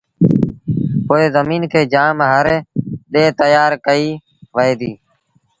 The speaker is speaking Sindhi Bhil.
پو زميݩ کي جآم هر ڏي تيآر ڪئيٚ وهي ديٚ